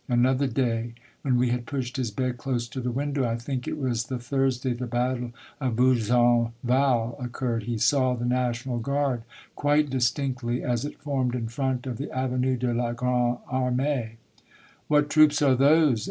Another day, when we had pushed his bed close to the winr dow, I think it was the Thursday the battle of Bu zenval occurred, he saw the National Guard quite distinctly as it formed in front of the Avenue de la Grande Arm^e. *'*What troops are those?'